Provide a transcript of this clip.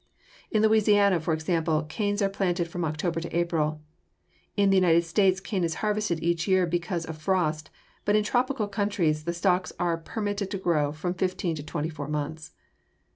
In Louisiana, for example, canes are planted from October to April. In the United States cane is harvested each year because of frost, but in tropical countries the stalks are permitted to grow from fifteen to twenty four months.